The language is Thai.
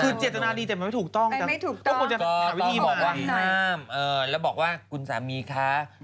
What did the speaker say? คือเจรตนาดีแต่มันไม่ถูกต้องแล้วบอกว่าคุณสามีค่ะ